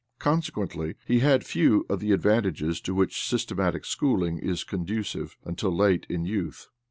Consequently he had few of the advantages to which systematic schooling is conducive until late in youth.